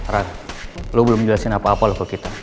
rah lo belum jelasin apa apa lo ke kita